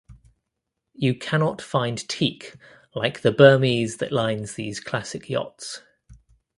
You cannot find teak like the Burmese that lines these classic yachts.